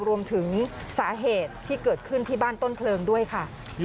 รวมถึงสาเหตุที่เกิดขึ้นที่บ้านต้นเพลิงด้วยค่ะ